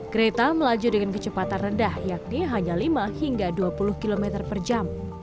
kereta melaju dengan kecepatan rendah yakni hanya lima hingga dua puluh km per jam